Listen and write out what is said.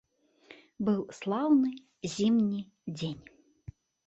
Быў слаўны зімні дзень.